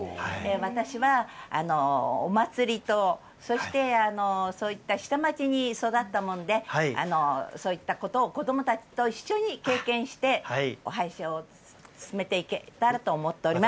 私は、お祭りと、そして、そういった下町に育ったもんで、そういったことを子どもたちと一緒に経験して、お囃子を進めていけたらと思っております。